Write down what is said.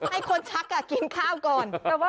ให้คนชักกินข้าวก่อน